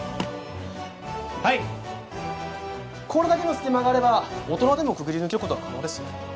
はいこれだけの隙間があれば大人でもくぐり抜けることは可能です。